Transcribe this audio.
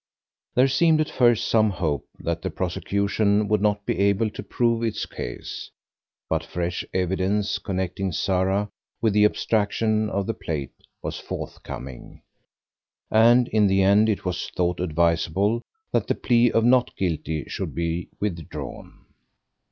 There seemed at first some hope that the prosecution would not be able to prove its case, but fresh evidence connecting Sarah with the abstraction of the plate was forthcoming, and in the end it was thought advisable that the plea of not guilty should be withdrawn.